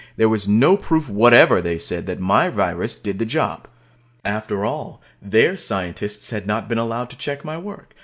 There was no proof whatever, they said, that my virus did the job. After all, their scientists had not been allowed to check my work.